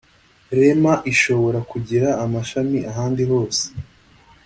Rema ishobora kugira amashami ahandi hose